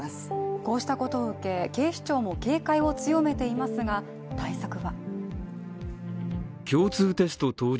こうしたことを受け、警視庁も警戒を強めていますが、対策は？